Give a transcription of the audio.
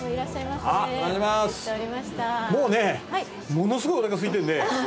もうねものすごいおなかすいてるんで。